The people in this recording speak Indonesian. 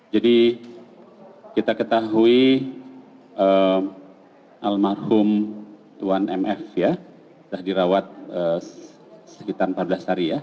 jadi kita ketahui almarhum tuan mf ya telah dirawat sekitar empat belas hari ya